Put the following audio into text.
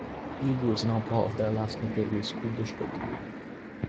Eagle is now part of the Alaska Gateway School District.